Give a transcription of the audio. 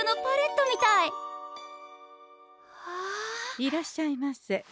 いらっしゃいませ。